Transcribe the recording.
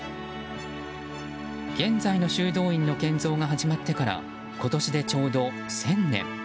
現在の修道院の建造が始まってから今年でちょうど１０００年。